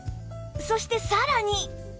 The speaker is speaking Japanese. そしてさらに